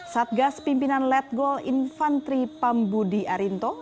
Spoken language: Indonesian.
satgas pimpinan letgol infantri pambudi arinto